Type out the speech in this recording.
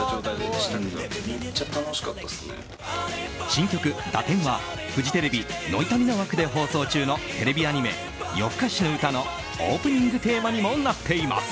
新曲「堕天」はフジテレビノイタミナ枠で放送中のテレビアニメ「よふかしのうた」のオープニングテーマにもなっています。